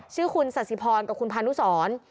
ชื่อคุณสัสสิพรกับคุณพานุสร